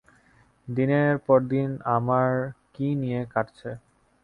দিনের পর দিন আমার কী নিয়ে কাটছে?